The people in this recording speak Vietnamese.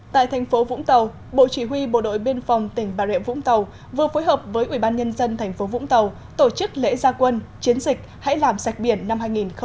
tại thành phố vũng tàu bộ chỉ huy bộ đội biên phòng tỉnh bà rịa vũng tàu vừa phối hợp với ubnd tp vũng tàu tổ chức lễ gia quân chiến dịch hãy làm sạch biển năm hai nghìn một mươi chín